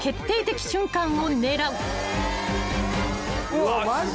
うわマジ？